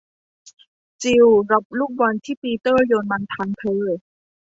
จิลรับลูกบอลที่ปีเตอร์โยนมาทางเธอ